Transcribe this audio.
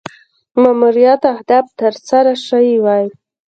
ماموریت اهداف تر سره سوي وای.